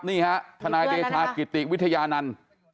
นี่ฮะทนายเดชากิติวิทยานันต์